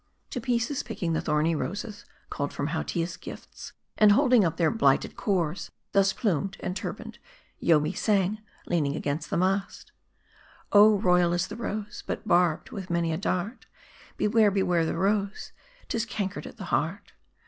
To pieces picking the thorny roses culled from Hautia' s gifts, and holding up their blighted cores, thus plumed and turbaned Yoomy sang, leaning against the mast : Oh ! royal is the rose, But barbed with many a dart ; Beware, beware the rose, 'Tie cankered at the heart.